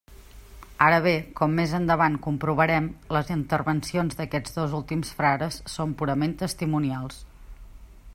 Ara bé, com més endavant comprovarem, les intervencions d'aquests dos últims frares són purament testimonials.